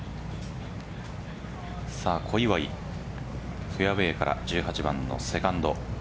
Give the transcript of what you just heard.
小祝、フェアウェイから１８番のセカンド。